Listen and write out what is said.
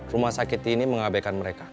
rumah sakit ini mengabaikan mereka